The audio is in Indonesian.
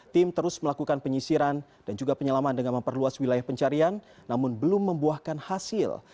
tim terus melakukan penyisiran dan juga penyelaman dengan memperluas wilayah pencarian namun belum membuahkan hasil